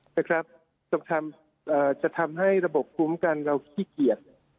นะครับต้องทำเอ่อจะทำให้ระบบภูมิการเราขี้เกียจ